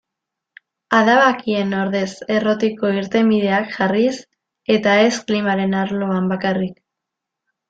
Adabakien ordez errotiko irtenbideak jarriz, eta ez klimaren arloan bakarrik.